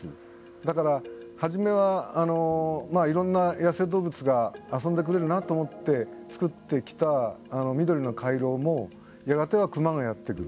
だから、初めはいろんな野生動物が遊んでくれるなと思って作ってきた緑の回廊もやがてはクマがやってくる。